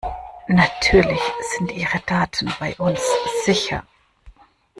Natürlich sind ihre Daten bei uns sicher!